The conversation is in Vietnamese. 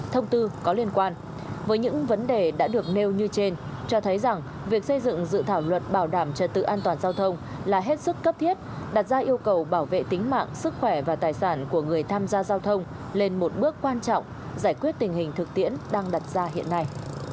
thông tư có liên quan với những vấn đề đã được nêu như trên cho thấy rằng việc xây dựng dự thảo luật bảo đảm trật tự an toàn giao thông là hết sức cấp thiết đặt ra yêu cầu bảo vệ tính mạng sức khỏe và tài sản của người tham gia giao thông lên một bước quan trọng giải quyết tình hình thực tiễn đang đặt ra hiện nay